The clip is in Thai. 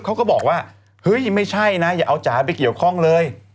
เขาก็บอกว่าเฮ้ยไม่ใช่นะอย่าเอาจ๋าไปเกี่ยวข้องเลย